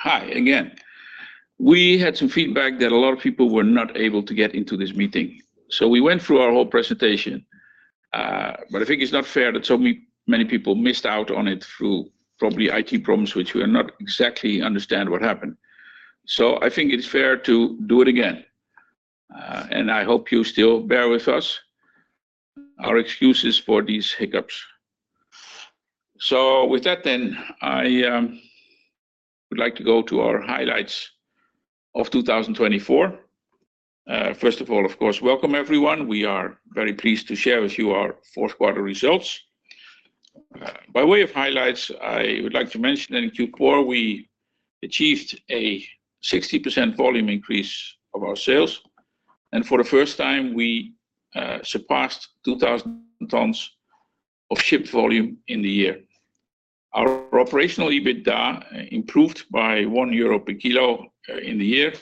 Hi, again. We had some feedback that a lot of people were not able to get into this meeting. We went through our whole presentation, but I think it's not fair that so many people missed out on it through probably IT problems, which we are not exactly understanding what happened. I think it's fair to do it again. I hope you still bear with us. Our excuses for these hiccups. With that, I would like to go to our highlights of 2024. First of all, of course, welcome everyone. We are very pleased to share with you our fourth quarter results. By way of highlights, I would like to mention that in Q4, we achieved a 60% volume increase of our sales. For the first time, we surpassed 2,000 tons of shipped volume in the year. Our operational EBITDA improved by 1 euro per kilo in the year.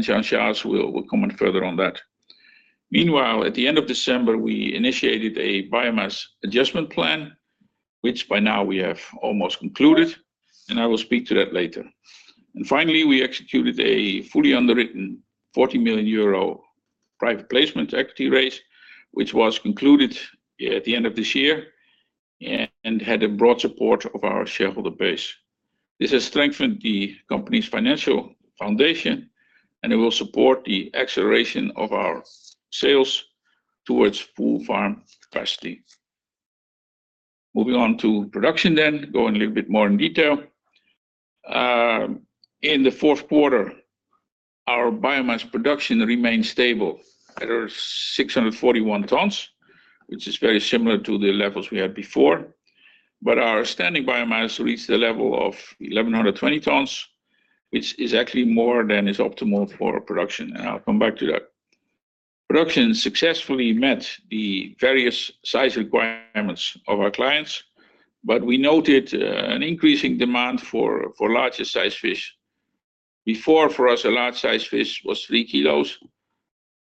Jean-Charles will comment further on that. Meanwhile, at the end of December, we initiated a biomass adjustment plan, which by now we have almost concluded. I will speak to that later. Finally, we executed a fully underwritten 40 million euro private placement equity raise, which was concluded at the end of this year and had broad support of our shareholder base. This has strengthened the company's financial foundation, and it will support the acceleration of our sales towards full farm capacity. Moving on to production then, going a little bit more in detail. In the fourth quarter, our biomass production remained stable at 641 tons, which is very similar to the levels we had before. Our standing biomass reached the level of 1,120 tons, which is actually more than is optimal for production. I'll come back to that. Production successfully met the various size requirements of our clients, but we noted an increasing demand for larger size fish. Before, for us, a large size fish was 3 kg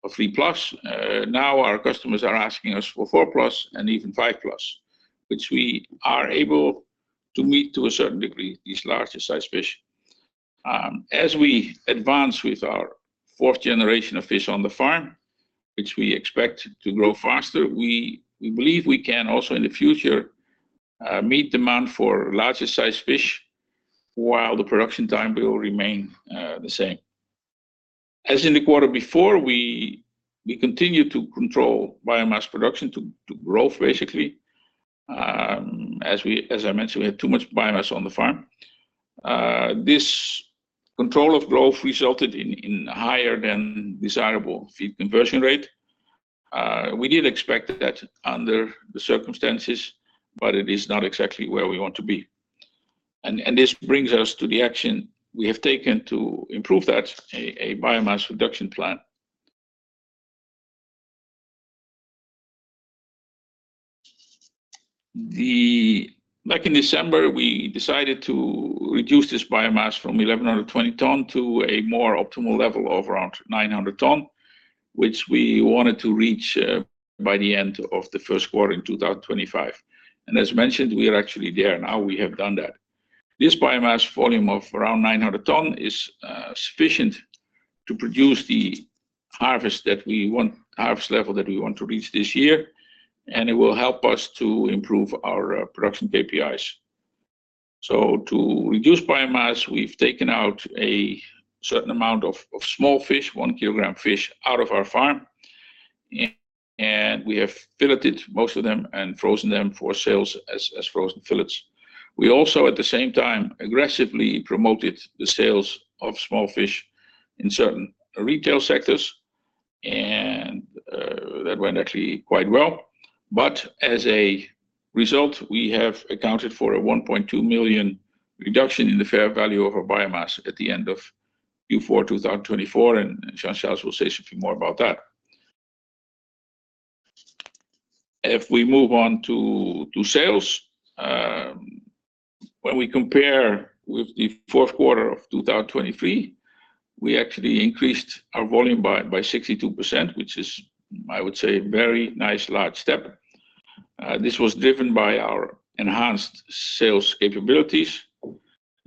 or 3+. Now our customers are asking us for 4+ and even 5+, which we are able to meet to a certain degree, these larger size fish. As we advance with our fourth generation of fish on the farm, which we expect to grow faster, we believe we can also in the future meet demand for larger size fish while the production time will remain the same. As in the quarter before, we continue to control biomass production to growth, basically. As I mentioned, we had too much biomass on the farm. This control of growth resulted in higher than desirable feed conversion rate. We did expect that under the circumstances, but it is not exactly where we want to be. This brings us to the action we have taken to improve that, a biomass reduction plan. Back in December, we decided to reduce this biomass from 1,120 ton to a more optimal level of around 900 ton, which we wanted to reach by the end of the first quarter in 2025. As mentioned, we are actually there now. We have done that. This biomass volume of around 900 ton is sufficient to produce the harvest level that we want to reach this year. It will help us to improve our production KPIs. To reduce biomass, we've taken out a certain amount of small fish, one kilogram fish out of our farm. We have filleted most of them and frozen them for sales as frozen fillets. We also, at the same time, aggressively promoted the sales of small fish in certain retail sectors. That went actually quite well. As a result, we have accounted for a 1.2 million reduction in the fair value of our biomass at the end of Q4 2024. Jean-Charles will say something more about that. If we move on to sales, when we compare with the fourth quarter of 2023, we actually increased our volume by 62%, which is, I would say, a very nice large step. This was driven by our enhanced sales capabilities.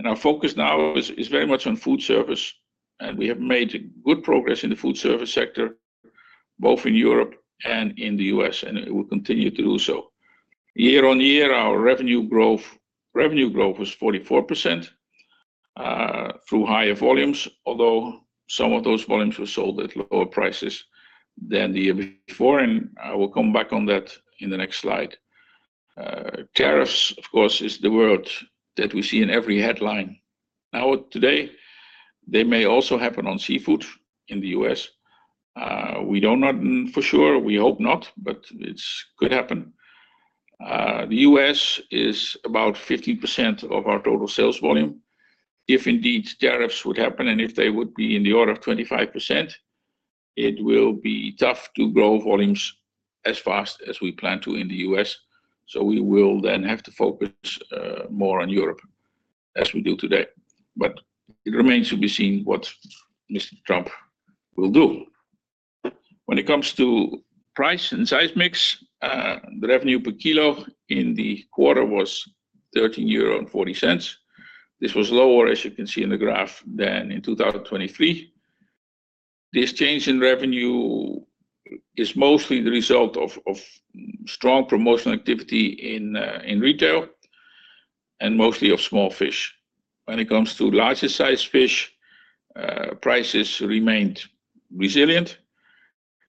Our focus now is very much on food service. We have made good progress in the food service sector, both in Europe and in the U.S., and we will continue to do so. Year on year, our revenue growth was 44% through higher volumes, although some of those volumes were sold at lower prices than the year before. I will come back on that in the next slide. Tariffs, of course, is the word that we see in every headline. Now, today, they may also happen on seafood in the U.S. We do not know for sure. We hope not, but it could happen. The U.S. is about 15% of our total sales volume. If indeed tariffs would happen, and if they would be in the order of 25%, it will be tough to grow volumes as fast as we plan to in the U.S. We will then have to focus more on Europe as we do today. It remains to be seen what Mr. Trump will do. When it comes to price and size mix, the revenue per kilo in the quarter was 13.40 euro. This was lower, as you can see in the graph, than in 2023. This change in revenue is mostly the result of strong promotional activity in retail and mostly of small fish. When it comes to larger size fish, prices remained resilient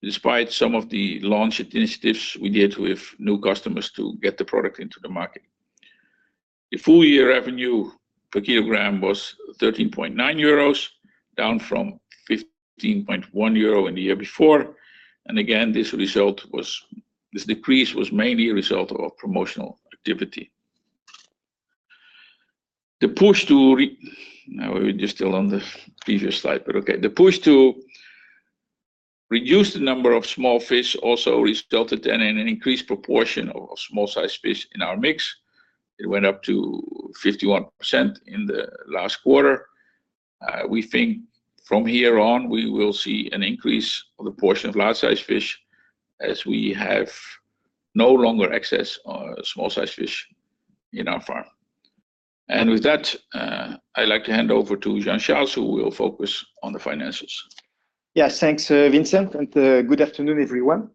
despite some of the launch initiatives we did with new customers to get the product into the market. The full year revenue per kilogram was 13.90 euros, down from 15.10 euro in the year before. This decrease was mainly a result of promotional activity. The push to—now we're just still on the previous slide, but okay—the push to reduce the number of small fish also resulted then in an increased proportion of small size fish in our mix. It went up to 51% in the last quarter. We think from here on, we will see an increase of the portion of large size fish as we have no longer access to small size fish in our farm. With that, I'd like to hand over to Jean-Charles, who will focus on the financials. Yes, thanks, Vincent. Good afternoon, everyone.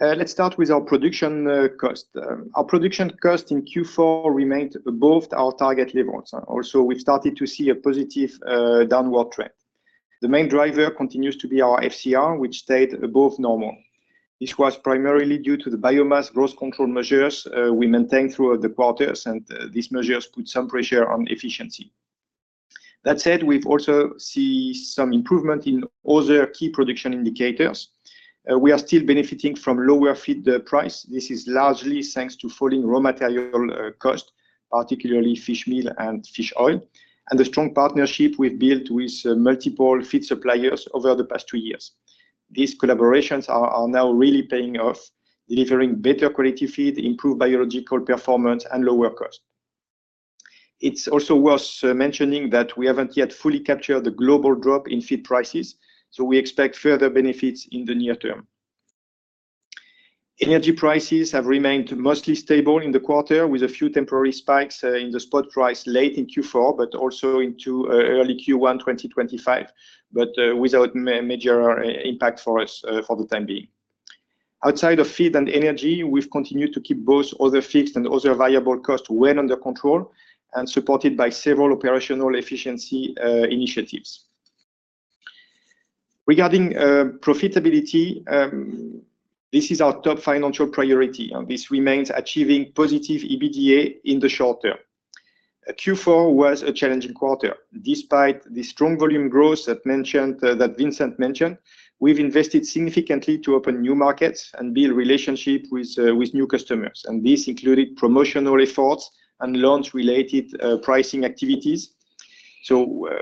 Let's start with our production cost. Our production cost in Q4 remained above our target levels. Also, we've started to see a positive downward trend. The main driver continues to be our FCR, which stayed above normal. This was primarily due to the biomass growth control measures we maintained throughout the quarters. These measures put some pressure on efficiency. That said, we've also seen some improvement in other key production indicators. We are still benefiting from lower feed price. This is largely thanks to falling raw material cost, particularly fishmeal and fish oil, and the strong partnership we've built with multiple feed suppliers over the past two years. These collaborations are now really paying off, delivering better quality feed, improved biological performance, and lower cost. It's also worth mentioning that we haven't yet fully captured the global drop in feed prices. We expect further benefits in the near term. Energy prices have remained mostly stable in the quarter, with a few temporary spikes in the spot price late in Q4, but also into early Q1 2025, but without major impact for us for the time being. Outside of feed and energy, we've continued to keep both other fixed and other variable costs well under control and supported by several operational efficiency initiatives. Regarding profitability, this is our top financial priority. This remains achieving positive EBITDA in the short term. Q4 was a challenging quarter. Despite the strong volume growth that Vincent mentioned, we've invested significantly to open new markets and build relationships with new customers. This included promotional efforts and launch-related pricing activities.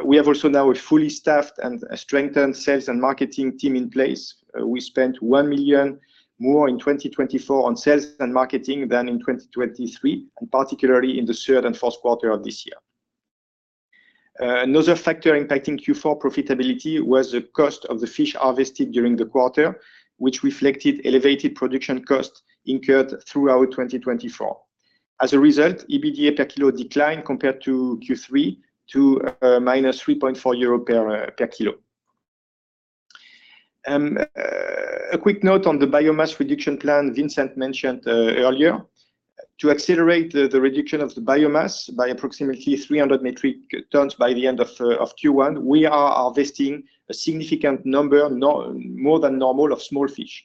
We have also now a fully staffed and strengthened sales and marketing team in place. We spent 1 million more in 2024 on sales and marketing than in 2023, and particularly in the third and fourth quarter of this year. Another factor impacting Q4 profitability was the cost of the fish harvested during the quarter, which reflected elevated production costs incurred throughout 2024. As a result, EBITDA per kilo declined compared to Q3 to minus 3.4 euro per kilo. A quick note on the biomass reduction plan Vincent mentioned earlier. To accelerate the reduction of the biomass by approximately 300 metric tons by the end of Q1, we are harvesting a significant number, more than normal, of small fish.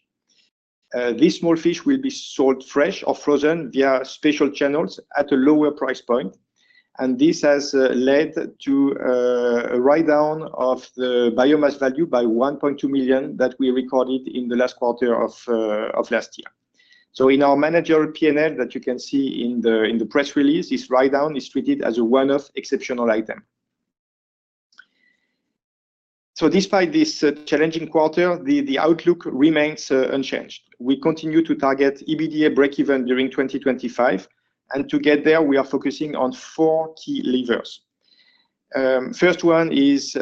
These small fish will be sold fresh or frozen via special channels at a lower price point. This has led to a write-down of the biomass value by 1.2 million that we recorded in the last quarter of last year. In our manager P&L that you can see in the press release, this write-down is treated as a one-off exceptional item. Despite this challenging quarter, the outlook remains unchanged. We continue to target EBITDA break-even during 2025. To get there, we are focusing on four key levers. First one is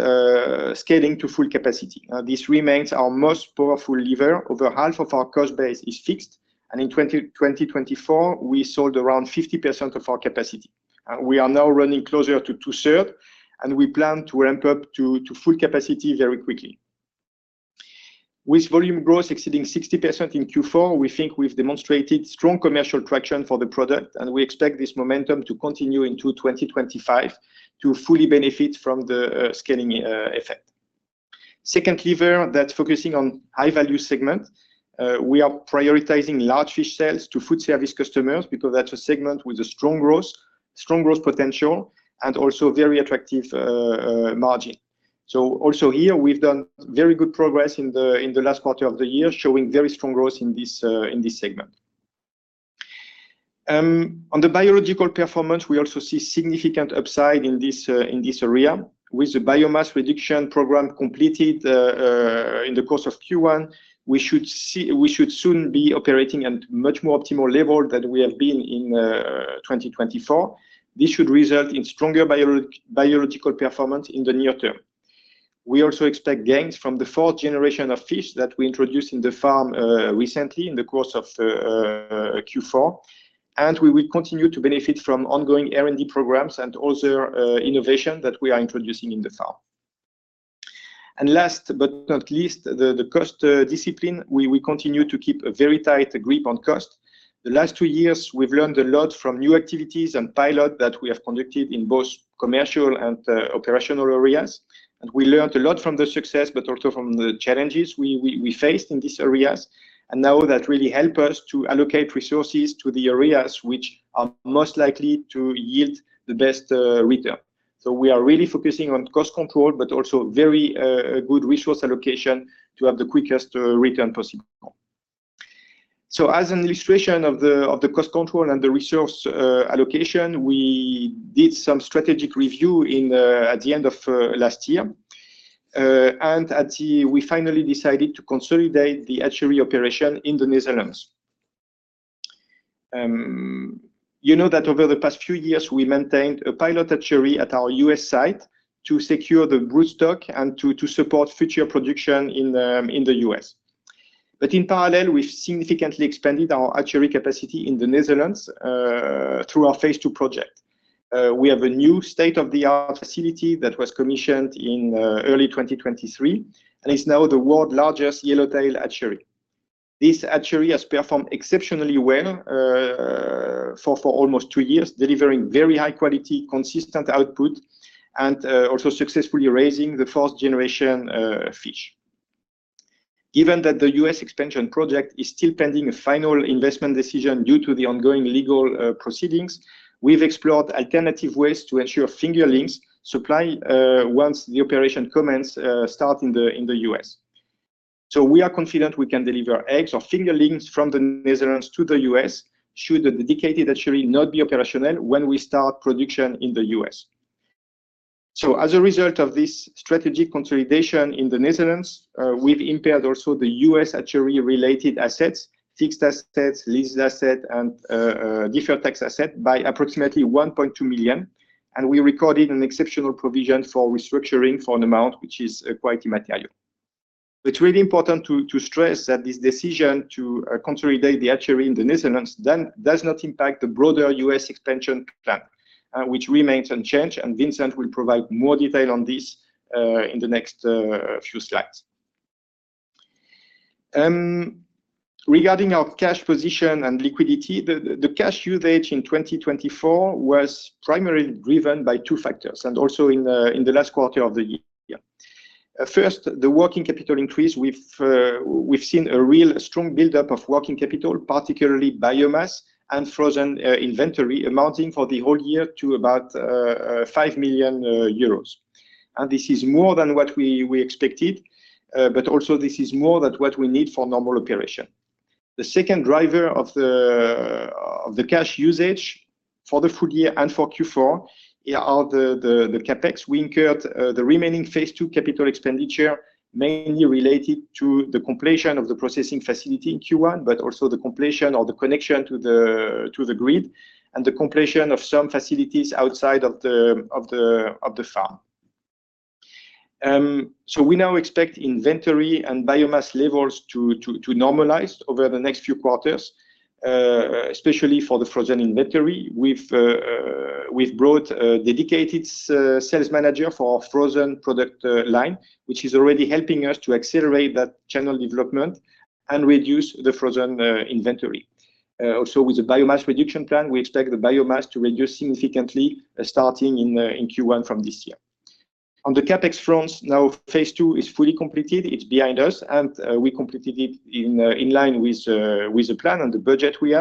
scaling to full capacity. This remains our most powerful lever. Over half of our cost base is fixed. In 2024, we sold around 50% of our capacity. We are now running closer to two-thirds, and we plan to ramp up to full capacity very quickly. With volume growth exceeding 60% in Q4, we think we have demonstrated strong commercial traction for the product, and we expect this momentum to continue into 2025 to fully benefit from the scaling effect. Second lever is focusing on high-value segment. We are prioritizing large fish sales to food service customers because that's a segment with strong growth potential and also very attractive margin. Also here, we've done very good progress in the last quarter of the year, showing very strong growth in this segment. On the biological performance, we also see significant upside in this area. With the biomass reduction program completed in the course of Q1, we should soon be operating at a much more optimal level than we have been in 2024. This should result in stronger biological performance in the near term. We also expect gains from the fourth generation of fish that we introduced in the farm recently in the course of Q4. We will continue to benefit from ongoing R&D programs and other innovations that we are introducing in the farm. Last but not least, the cost discipline. We continue to keep a very tight grip on cost. The last two years, we've learned a lot from new activities and pilots that we have conducted in both commercial and operational areas. We learned a lot from the success, but also from the challenges we faced in these areas. That really helps us to allocate resources to the areas which are most likely to yield the best return. We are really focusing on cost control, but also very good resource allocation to have the quickest return possible. As an illustration of the cost control and the resource allocation, we did some strategic review at the end of last year. We finally decided to consolidate the hatchery operation in the Netherlands. You know that over the past few years, we maintained a pilot hatchery at our U.S. site to secure the broodstock and to support future production in the U.S. In parallel, we've significantly expanded our hatchery capacity in the Netherlands through our phase II project. We have a new state-of-the-art facility that was commissioned in early 2023, and it's now the world's largest yellowtail hatchery. This hatchery has performed exceptionally well for almost two years, delivering very high-quality, consistent output, and also successfully raising the fourth generation fish. Given that the U.S. expansion project is still pending a final investment decision due to the ongoing legal proceedings, we've explored alternative ways to ensure fingerling supply once the operation commences, starting in the U.S. We are confident we can deliver eggs or fingerlings from the Netherlands to the U.S. should the dedicated hatchery not be operational when we start production in the U.S. As a result of this strategic consolidation in the Netherlands, we've impaired also the U.S. hatchery-related assets, fixed assets, leased assets, and deferred tax assets by approximately 1.2 million. We recorded an exceptional provision for restructuring for an amount which is quite immaterial. It's really important to stress that this decision to consolidate the hatchery in the Netherlands does not impact the broader U.S. expansion plan, which remains unchanged. Vincent will provide more detail on this in the next few slides. Regarding our cash position and liquidity, the cash usage in 2024 was primarily driven by two factors and also in the last quarter of the year. First, the working capital increase. We've seen a real strong buildup of working capital, particularly biomass and frozen inventory amounting for the whole year to about 5 million euros. This is more than what we expected, but also this is more than what we need for normal operation. The second driver of the cash usage for the full year and for Q4 are the CapEx. We incurred the remaining phase II capital expenditure mainly related to the completion of the processing facility in Q1, but also the completion or the connection to the grid and the completion of some facilities outside of the farm. We now expect inventory and biomass levels to normalize over the next few quarters, especially for the frozen inventory. We've brought a dedicated sales manager for our frozen product line, which is already helping us to accelerate that channel development and reduce the frozen inventory. Also, with the biomass reduction plan, we expect the biomass to reduce significantly starting in Q1 from this year. On the CapEx front, now phase II is fully completed. It is behind us, and we completed it in line with the plan and the budget we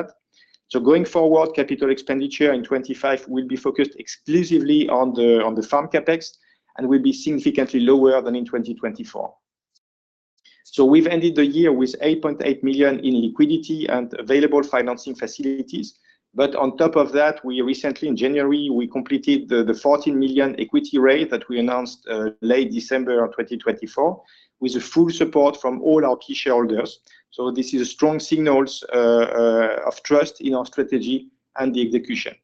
had. Going forward, capital expenditure in 2025 will be focused exclusively on the farm CapEx and will be significantly lower than in 2024. We have ended the year with 8.8 million in liquidity and available financing facilities. On top of that, we recently, in January, completed the 14 million equity raise that we announced late December 2024 with full support from all our key shareholders. This is a strong signal of trust in our strategy and the execution.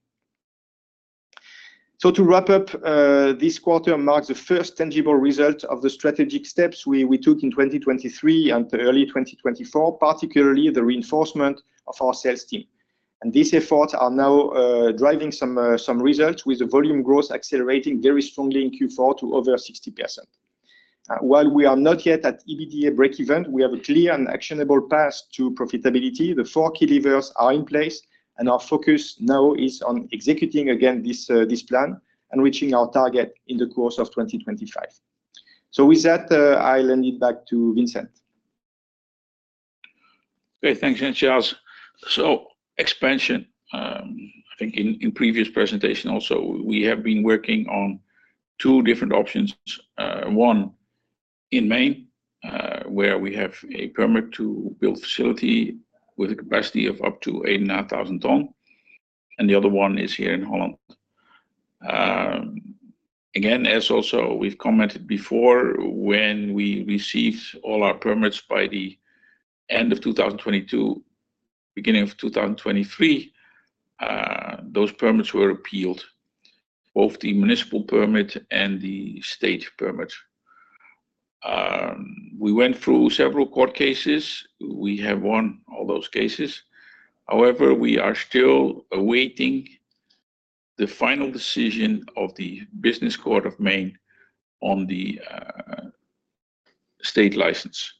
To wrap up, this quarter marks the first tangible result of the strategic steps we took in 2023 and early 2024, particularly the reinforcement of our sales team. These efforts are now driving some results with the volume growth accelerating very strongly in Q4 to over 60%. While we are not yet at EBITDA break-even, we have a clear and actionable path to profitability. The four key levers are in place, and our focus now is on executing again this plan and reaching our target in the course of 2025. With that, I'll hand it back to Vincent. Great. Thanks, Jean-Charles. Expansion, I think in previous presentation also, we have been working on two different options. One in Maine, where we have a permit to build a facility with a capacity of up to 89,000 tons. The other one is here in Holland. Again, as also we've commented before, when we received all our permits by the end of 2022, beginning of 2023, those permits were appealed, both the municipal permit and the state permit. We went through several court cases. We have won all those cases. However, we are still awaiting the final decision of the Business Court of Maine on the state license.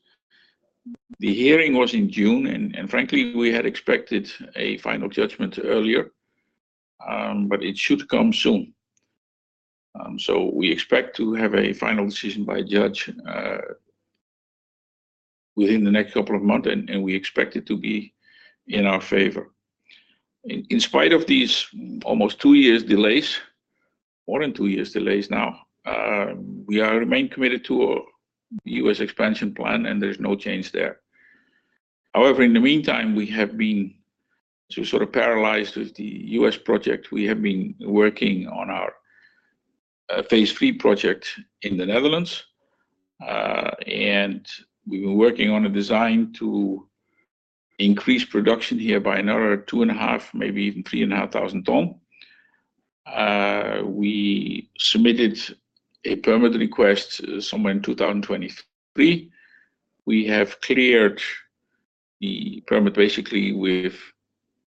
The hearing was in June, and frankly, we had expected a final judgment earlier, but it should come soon. We expect to have a final decision by a judge within the next couple of months, and we expect it to be in our favor. In spite of these almost two years' delays, more than two years' delays now, we remain committed to the U.S. expansion plan, and there's no change there. However, in the meantime, we have been sort of paralyzed with the U.S. project. We have been working on our phase III project in the Netherlands, and we've been working on a design to increase production here by another 2,500, maybe even 3,500 tons. We submitted a permit request somewhere in 2023. We have cleared the permit basically with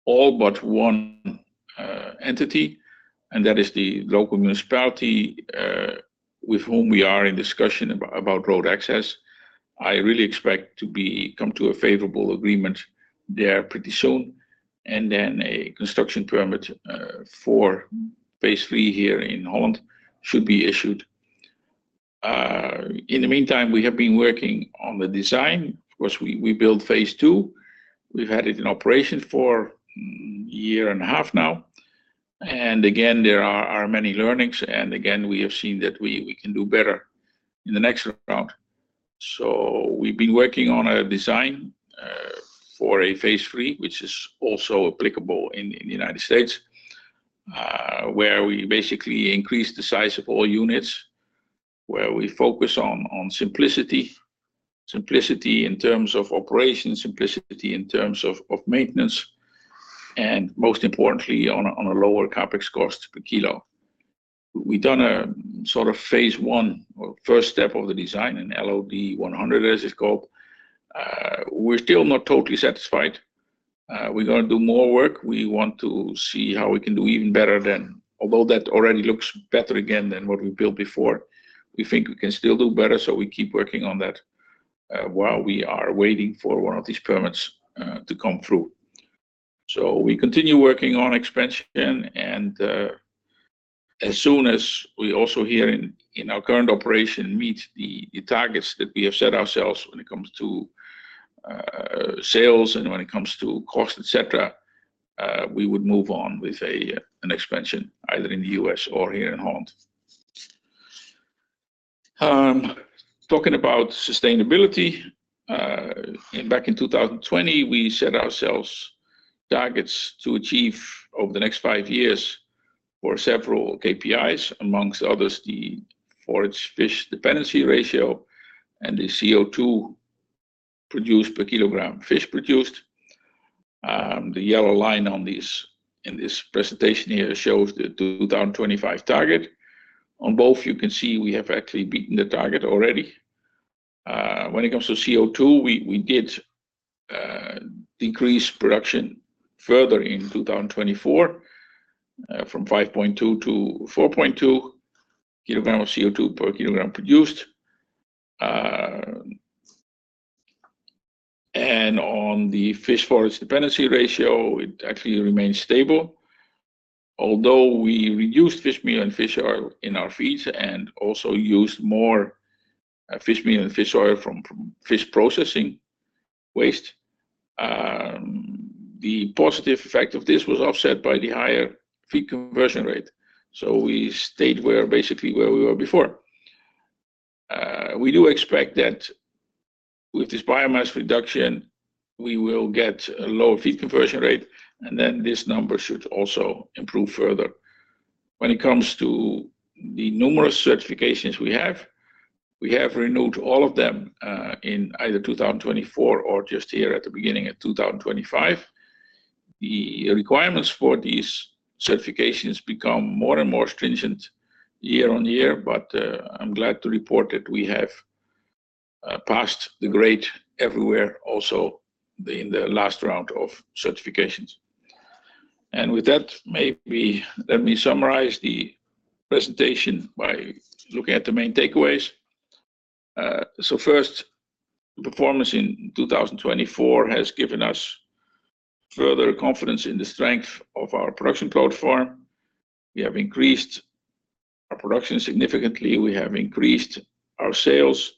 all but one entity, and that is the local municipality with whom we are in discussion about road access. I really expect to come to a favorable agreement there pretty soon. A construction permit for phase III here in Holland should be issued. In the meantime, we have been working on the design. Of course, we built phase two. We have had it in operation for a year and a half now. There are many learnings. We have seen that we can do better in the next round. We have been working on a design for a phase three, which is also applicable in the United States, where we basically increase the size of all units, where we focus on simplicity, simplicity in terms of operation, simplicity in terms of maintenance, and most importantly, on a lower CapEx cost per kilo. We have done a sort of phase I or first step of the design, an LOD 100 as it is called. We are still not totally satisfied. We are going to do more work. We want to see how we can do even better than, although that already looks better again than what we built before. We think we can still do better, so we keep working on that while we are waiting for one of these permits to come through. We continue working on expansion. As soon as we also here in our current operation meet the targets that we have set ourselves when it comes to sales and when it comes to cost, etc., we would move on with an expansion either in the U.S. or here in Holland. Talking about sustainability, back in 2020, we set ourselves targets to achieve over the next five years for several KPIs, amongst others, the forage fish dependency ratio and the CO2 produced per kilogram fish produced. The yellow line in this presentation here shows the 2025 target. On both, you can see we have actually beaten the target already. When it comes to CO2, we did increase production further in 2024 from 5.2 to 4.2 kg of CO2 per kilogram produced. On the fish forage dependency ratio, it actually remains stable, although we reduced fish meal and fish oil in our feeds and also used more fish meal and fish oil from fish processing waste. The positive effect of this was offset by the higher feed conversion rate. We stayed basically where we were before. We do expect that with this biomass reduction, we will get a lower feed conversion rate, and then this number should also improve further. When it comes to the numerous certifications we have, we have renewed all of them in either 2024 or just here at the beginning of 2025. The requirements for these certifications become more and more stringent year on year, but I'm glad to report that we have passed the grade everywhere also in the last round of certifications. Let me summarize the presentation by looking at the main takeaways. First, performance in 2024 has given us further confidence in the strength of our production platform. We have increased our production significantly. We have increased our sales.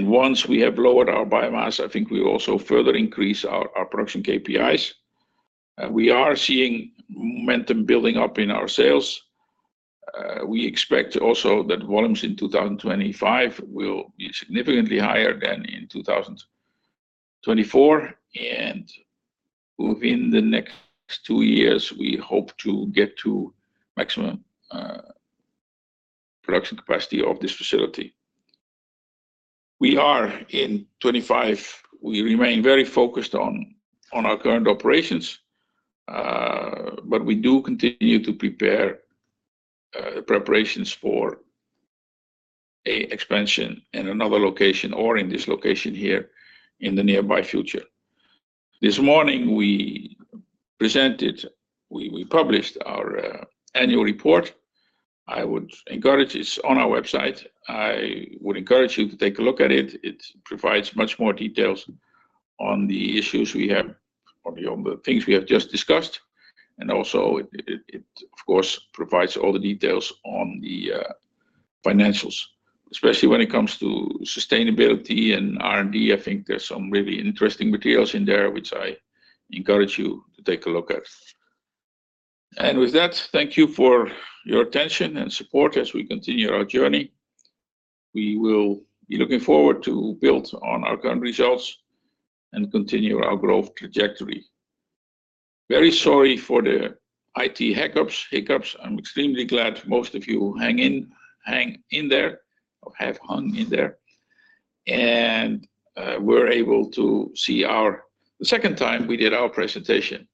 Once we have lowered our biomass, I think we also further increase our production KPIs. We are seeing momentum building up in our sales. We expect also that volumes in 2025 will be significantly higher than in 2024. Within the next two years, we hope to get to maximum production capacity of this facility. We are in 2025. We remain very focused on our current operations, but we do continue to prepare preparations for an expansion in another location or in this location here in the nearby future. This morning, we presented, we published our annual report. I would encourage it's on our website. I would encourage you to take a look at it. It provides much more details on the issues we have or the things we have just discussed. It, of course, provides all the details on the financials, especially when it comes to sustainability and R&D. I think there's some really interesting materials in there, which I encourage you to take a look at. With that, thank you for your attention and support as we continue our journey. We will be looking forward to build on our current results and continue our growth trajectory. Very sorry for the IT hiccups. I'm extremely glad most of you hang in there or have hung in there and were able to see our the second time we did our presentation.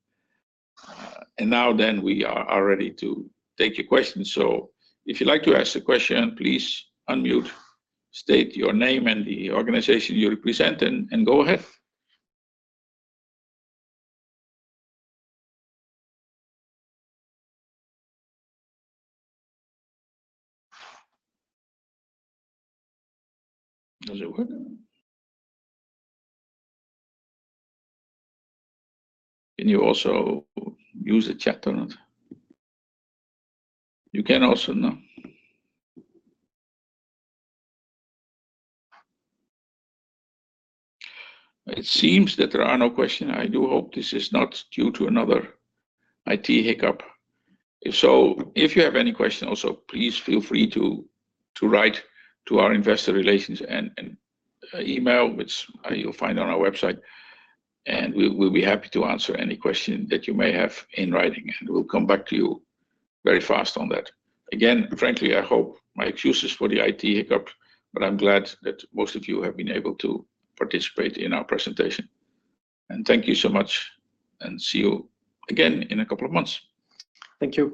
Now we are ready to take your questions. If you'd like to ask a question, please unmute, state your name and the organization you represent, and go ahead. Does it work? Can you also use the chat or not? You can also, no. It seems that there are no questions. I do hope this is not due to another IT hiccup. If so, if you have any questions, also please feel free to write to our investor relations and email, which you'll find on our website. We'll be happy to answer any question that you may have in writing, and we'll come back to you very fast on that. Again, frankly, I hope my excuses for the IT hiccup, but I'm glad that most of you have been able to participate in our presentation. Thank you so much, and see you again in a couple of months. Thank you.